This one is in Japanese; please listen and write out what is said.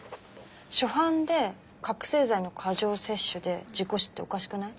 初犯で覚醒剤の過剰摂取で事故死っておかしくない？